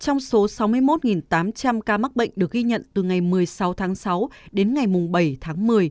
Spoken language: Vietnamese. trong số sáu mươi một tám trăm linh ca mắc bệnh được ghi nhận từ ngày một mươi sáu tháng sáu đến ngày bảy tháng một mươi